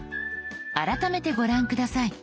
改めてご覧下さい。